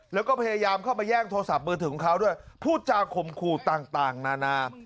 แล้วก็พยายามเข้ามาแย่งโทรศัพท์มือถือของเขาด้วยพูดจากข่มขู่ต่างนานา